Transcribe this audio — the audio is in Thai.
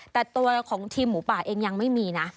แต่ตัวของทีมหมูป่าเองยังไม่มีนะ